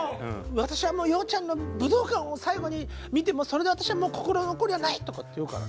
「私はもう洋ちゃんの武道館を最後に見てそれで私はもう心残りはない！」とかって言うからね。